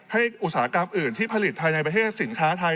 อุตสาหกรรมอื่นที่ผลิตภายในประเทศสินค้าไทย